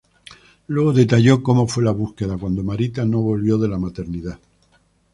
Luego detalló cómo fue la búsqueda, cuando Marita no volvió de la Maternidad.